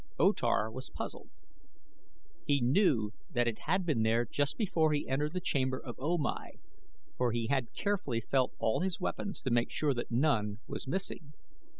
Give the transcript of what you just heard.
O Tar was puzzled. He knew that it had been there just before he entered the chamber of O Mai, for he had carefully felt of all his weapons to make sure that none was missing.